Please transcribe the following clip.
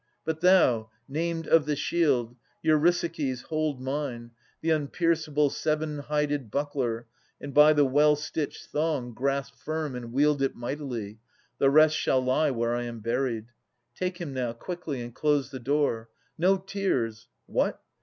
But thou, named of the shield \ Eurysakes, hold mine, the unpierceable Seven hided buckler, and by the well stitched thong Grasp firm and wield it mightily. — The rest Shall lie where I am buried. — Take him now, Quickly, and close the door. No tears! What!